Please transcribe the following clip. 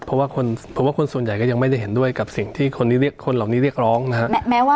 เพราะว่าผมว่าคนส่วนใหญ่ก็ยังไม่ได้เห็นด้วยกับสิ่งที่คนเหล่านี้เรียกร้องนะครับ